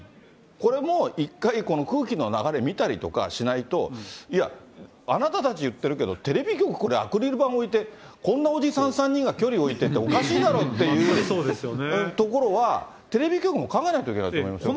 これも一回、空気の流れ見たりとかしないと、いや、あなたたち言ってるけど、テレビ局、これ、アクリル板置いて、こんなおじさん３人が距離置いてておかしいだろっていうところは、テレビ局も考えないといけないと思いますよ。